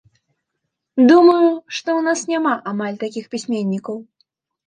Думаю, што ў нас няма амаль такіх пісьменнікаў.